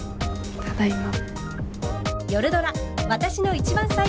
ただいま。